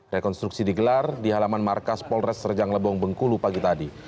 rekonstruksi digelar di halaman markas polres rejang lebong bengkulu pagi tadi